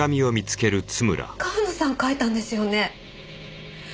川野さんが書いたんですよね？